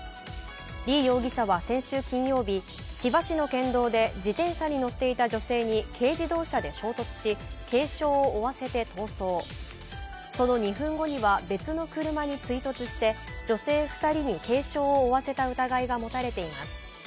李容疑者は先週金曜日、自転車に乗っていた女性に軽自動車で衝突し軽傷を負わせて逃走、その２分後には別の車に追突して女性２人に軽傷を負わせた疑いが持たれています。